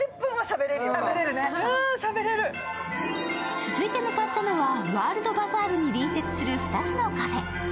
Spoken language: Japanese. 続いて向かったのは、ワールドバザールに隣接する２つのカフェ。